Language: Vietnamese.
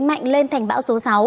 mạnh lên thành bão số sáu